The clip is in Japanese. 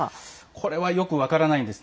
これはよく分からないんです。